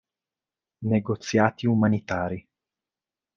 Negoziati umanitari.